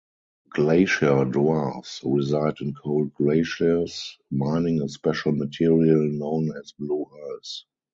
Glacier dwarves reside in cold glaciers, mining a special material known as blue ice.